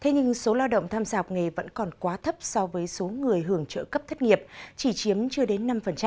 thế nhưng số lao động tham gia học nghề vẫn còn quá thấp so với số người hưởng trợ cấp thất nghiệp chỉ chiếm chưa đến năm